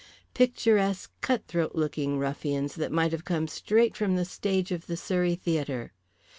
Picturesque, cut throat looking ruffians that might have come straight from the stage of the Surrey Theatre.